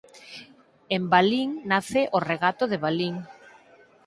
En Balín nace o regato de Balín.